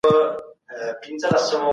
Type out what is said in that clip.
موږ له څو ساعتونو راهیسې تر فشار لاندې یو.